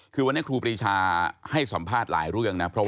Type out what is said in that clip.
คือวันนี้ครูปรีชาให้สัมภาษณ์หลายเรื่องนะ